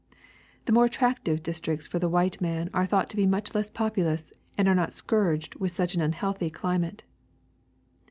The more attractive districts for the white man are thought to be much less populous, and are not scourged with such an unhealthy climate.